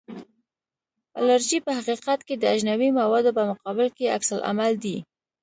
الرژي په حقیقت کې د اجنبي موادو په مقابل کې عکس العمل دی.